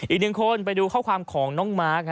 อีกหนึ่งคนไปดูข้อความของน้องมาร์ค